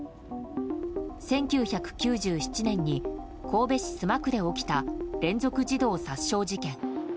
１９９７年に神戸市須磨区で起きた連続児童殺傷事件。